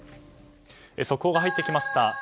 速報が入ってきました。